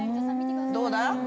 どうだ？